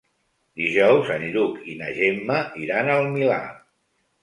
Dijous en Lluc i na Gemma iran al Milà.